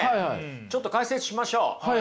ちょっと解説しましょう。